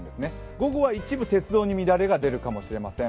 午後は一部鉄道に乱れが出るかもしれません。